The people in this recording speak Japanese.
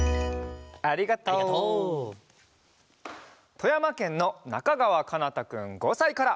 とやまけんのなかがわかなたくん５さいから。